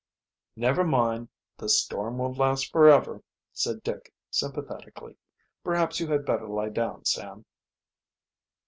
"Never mind, the storm won't last forever," said Dick sympathetically. "Perhaps you had better lie down, Sam."